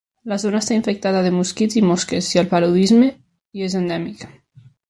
La zona està infectada de mosquits i mosques, i el paludisme i és endèmic.